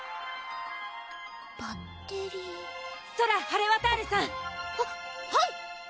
バッテリーソラ・ハレワタールさん！ははい！